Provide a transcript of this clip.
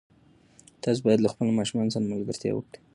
تاسو باید له خپلو ماشومانو سره ملګرتیا وکړئ.